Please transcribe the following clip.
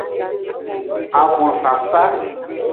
Avonsasa.